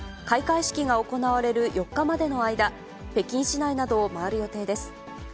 開会式が行われる４日までの間、北京市内などを回る予定です。